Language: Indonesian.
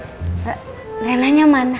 masih bakombang marfaus ngajakin dia submitin mah